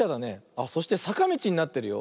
あっそしてさかみちになってるよ。